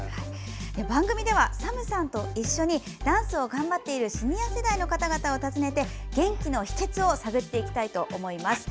番組ではＳＡＭさんと一緒にダンスを頑張っているシニア世代の方々を訪ねて元気の秘けつを探っていきたいと思っています。